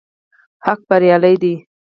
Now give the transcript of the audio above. حق بريالی دی